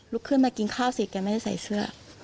ขึ้นมากินข้าวสิแกไม่ได้ใส่เสื้อ